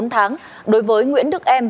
bốn tháng đối với nguyễn đức em